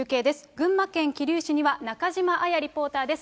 群馬県桐生市には、中島彩リポーターです。